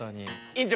院長